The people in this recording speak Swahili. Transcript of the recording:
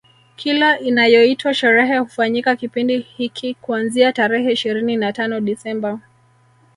Kila inayoitwa sherehe hufanyika kipindi hiki kuanzia tarehe ishirini na tano Desemba